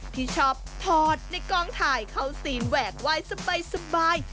ที่ชอบถอดในกองถ่ายเข้าซีนแหวกไหว้สบาย